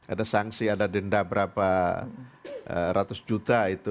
ada sanksi ada denda berapa ratus juta itu